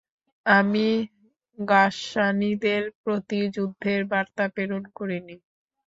আমি গাসসানীদের প্রতি যুদ্ধের বার্তা প্রেরণ করিনি।